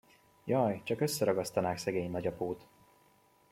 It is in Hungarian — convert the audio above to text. Jaj, csak összeragasztanák szegény nagyapót!